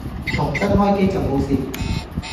重新開機就冇事